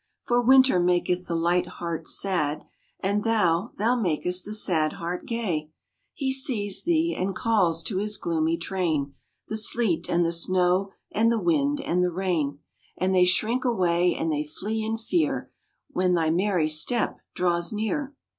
For Winter maketh the light heart sad, And thou, thou makest the sad heart gay. He sees thee, and calls to his gloomy train, The sleet, and the snow, and the wind, and the rain; And they shrink away, and they flee in fear, When thy merry step draws near.